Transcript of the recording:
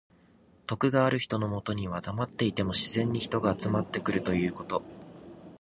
徳がある人のもとにはだまっていても自然に人が集まってくるということ。